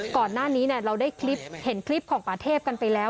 ก่อนหน้านี้เราได้คลิปเห็นคลิปของป่าเทพกันไปแล้ว